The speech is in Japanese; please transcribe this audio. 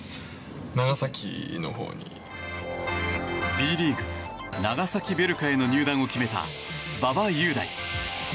Ｂリーグ、長崎ヴェルカへの入団を決めた馬場雄大。